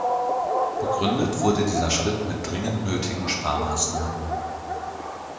Begründet wurde dieser Schritt mit dringend nötigen Sparmaßnahmen.